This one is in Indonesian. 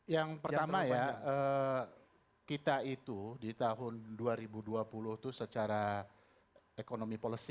yang pertama ya kita itu di tahun dua ribu dua puluh itu secara ekonomi policy